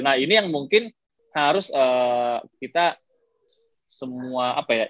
nah ini yang mungkin harus kita semua apa ya